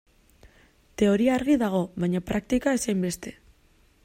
Teoria argi dago, baina praktika ez hainbeste.